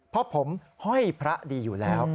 เพราะผมห้อยพระดีอยู่แล้ว